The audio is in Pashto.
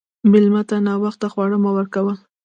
مېلمه ته ناوخته خواړه مه ورکوه.